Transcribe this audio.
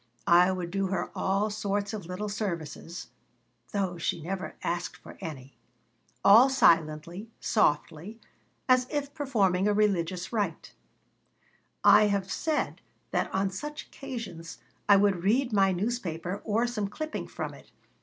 I would do her all sorts of little services (though she never asked for any), all silently, softly, as if performing a religious rite I have said that on such occasions I would read my newspaper or some clipping from it.